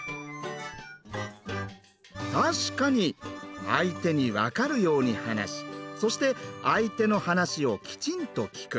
確かに「相手に分かるように話しそして相手の話をきちんと聞く」。